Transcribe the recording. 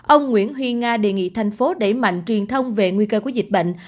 ông nguyễn huy nga đề nghị thành phố đẩy mạnh truyền thông về nguy cơ của dịch bệnh